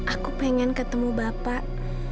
aku pengen ketemu bapak